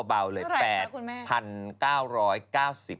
เท่าไหร่ครับคุณแม่